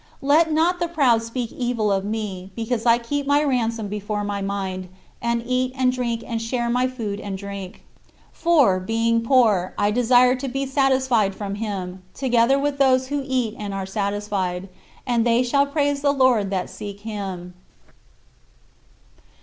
Let not the proud speak evil of me, because I keep my ransom before my mind, and eat and drink and share my food and drink. For, being poor, I desire to be satisfied from him, together with those who eat and are satisfied: "and they shall praise the Lord that seek Him."